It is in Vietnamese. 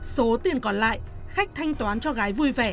số tiền còn lại khách thanh toán cho gái vui vẻ